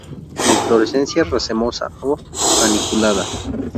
Inflorescencia racemosa o paniculada.